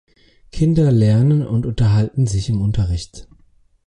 Kinder lernen und unterhalten sich im Unterricht.